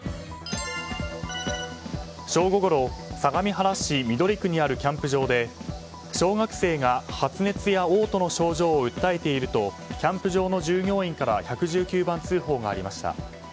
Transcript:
正午ごろ、相模原市緑区にあるキャンプ場で小学生が発熱や嘔吐の症状を訴えるとキャンプ場の従業員から１１９番通報がありました。